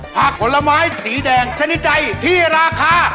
ผลไม้สีแดงชนิดใดที่ราคา